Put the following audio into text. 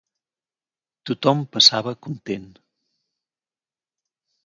Tothom passava content.